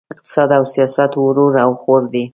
اقتصاد او سیاست ورور او خور دي!